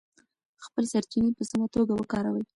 خپلې سرچینې په سمه توګه وکاروئ.